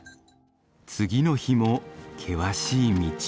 次の日も険しい道。